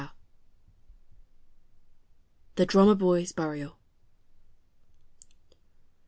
THE DRUMMER BOY'S BURIAL.